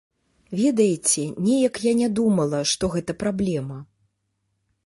Ведаеце, неяк я не думала, што гэта праблема.